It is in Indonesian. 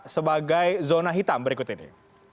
sebagai zona hitam berikut ini